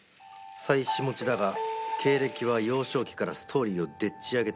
妻子持ちだが経歴は幼少期からストーリーをでっち上げたと考えられる。